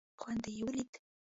خوند دې یې ولید.